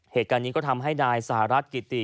เหตุการณ์นี้ก็ทำให้นายสหรัฐกิติ